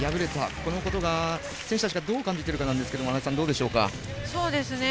このことを選手たちがどう感じているかなんですが安達さん、どうでしょうか。